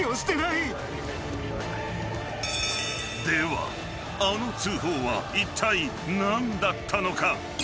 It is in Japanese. ではあの通報はいったい何だったのか？］